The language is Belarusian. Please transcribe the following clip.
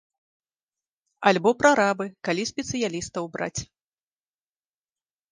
Альбо прарабы, калі спецыялістаў браць.